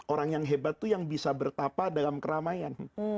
orang yang hebat itu yang bisa bertapa dalam keramaian